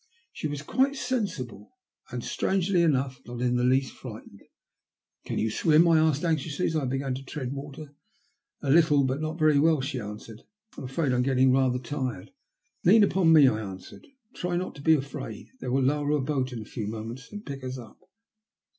She was quite sensible, and, strangely enough, not in the least frightened. *' Can you swim ?" I asked, anxiously, ai I began to tread water. " A little, but not very well," she answered. " I'm afraid I am getting rather tired.*' " Lean upon me," I answered. " Try not to be afraid; they will lower a boat in a few moments, and pick us up."